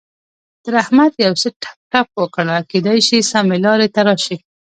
تر احمد يو څه ټپ ټپ وکړه؛ کېدای شي سمې لارې ته راشي.